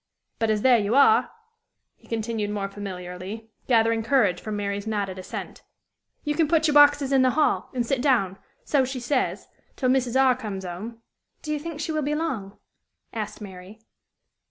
But, as there you are," he continued more familiarly, gathering courage from Mary's nodded assent, "you can put your boxes in the hall, and sit down, she says, till Mrs. R. comes 'ome." "Do you think she will be long?" asked Mary.